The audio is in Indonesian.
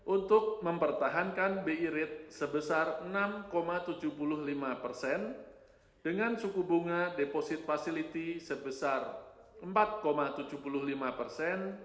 untuk mempertahankan bi rate sebesar enam tujuh puluh lima persen dengan suku bunga deposit facility sebesar empat tujuh puluh lima persen